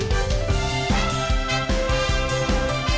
พกพองทุกคนพกพอง